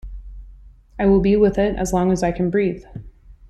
I will be with it as long as I can breathe.